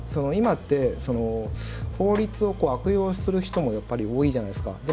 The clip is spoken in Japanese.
今って法律を悪用する人もやっぱり多いじゃないですか。